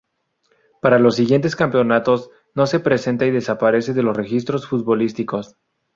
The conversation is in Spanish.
Para los siguientes campeonatos no se presenta y desaparece de los registros futbolísticos.